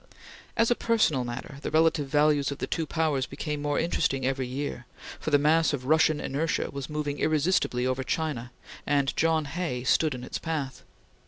As a personal matter, the relative value of the two powers became more interesting every year; for the mass of Russian inertia was moving irresistibly over China, and John Hay stood in its path.